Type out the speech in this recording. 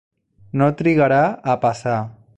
No trigarà a passar.